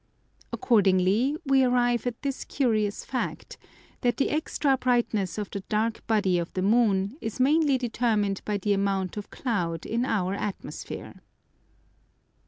Accordingly, we arrive at this curious fact that the extra brightness of the dark body of the moon is mainly determined by the amount of cloud in our atmosphere.